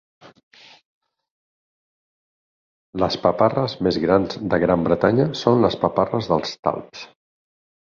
Les paparres més grans de Gran Bretanya són les paparres dels talps.